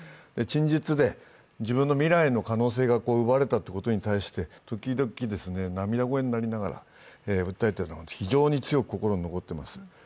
陳述で、自分の未来の可能性が奪われたということに対して時々、涙声になりながら訴えていたのが非常に強く心に残っています。